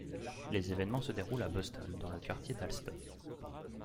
Les événements se déroulent à Boston, dans le quartier d'Allston.